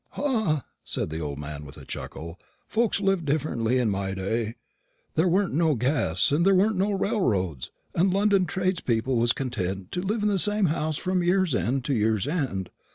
"Ah," said the old man, with a chuckle, "folks lived different in my day. There weren't no gas, and there weren't no railroads, and London tradespeople was content to live in the same house from year's end to year's end.